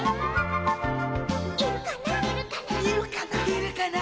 「いるかな」